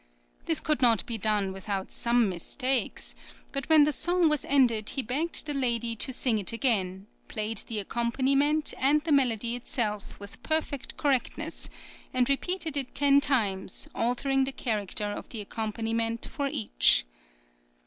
This could not be done without some mistakes, but when the song was ended he begged the lady to sing it again, played the accompaniment and the melody itself with perfect correctness, and repeated it ten times, altering the character of the accompaniment for each.